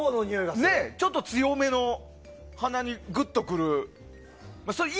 ちょっと強めの鼻にぐっとくるという。